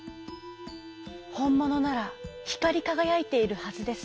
「ほんものならひかりかがやいているはずです。